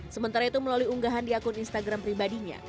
sementara itu melalui unggahan di akun instagram pribadinya